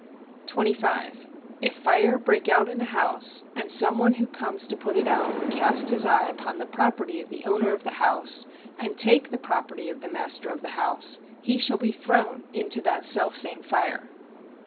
25. If fire break out in a house, and some one who comes to put it out, cast his eye upon the property of the owner of the house, and take the property of the master of the house, he shall be thrown into that self same fire.